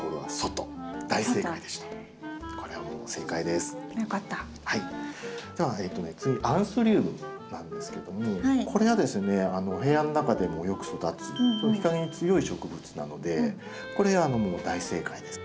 では次アンスリウムなんですけどもこれはですねお部屋の中でもよく育つ日陰に強い植物なのでこれ大正解です。